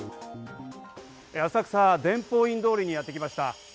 浅草・伝法院通りにやって来ました。